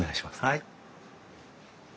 はい。